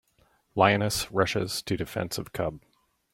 Lioness Rushes to Defense of Cub.